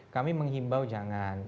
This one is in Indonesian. kami menghimbau jangan